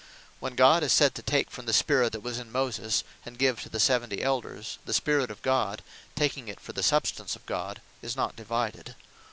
When God is sayd, (Numb. 11. 25.) to take from the Spirit that was in Moses, and give it to the 70. Elders, the Spirit of God (taking it for the substance of God) is not divided.